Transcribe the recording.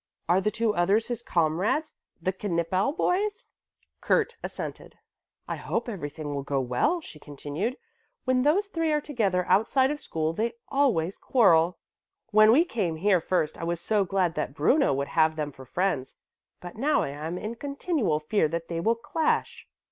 "Are the two others his comrades, the Knippel boys?" Kurt assented. "I hope everything will go well," she continued. "When those three are together outside of school they always quarrel. When we came here first I was so glad that Bruno would have them for friends, but now I am in continual fear that they will clash."